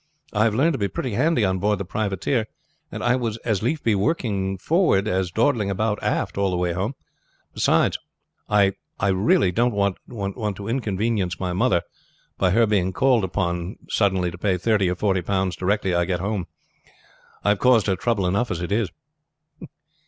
I have learned to be pretty handy on board the privateer, and I would as lief be working forward as dawdling about aft all the way home. Beside, I don't want to inconvenience my mother by her being called upon suddenly to pay thirty or forty pounds directly I get home. I have caused her trouble enough as it is."